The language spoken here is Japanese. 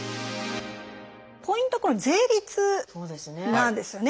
ポイントはこの税率なんですよね。